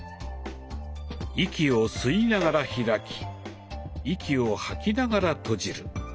息を吸いながら開き息を吐きながら閉じる。